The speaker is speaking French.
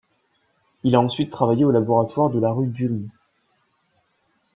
Il a ensuite travaillé au laboratoire de la rue d'Ulm.